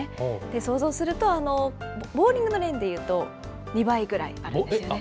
想像すると、ボウリングのレーンでいうと２倍ぐらいあるんですね。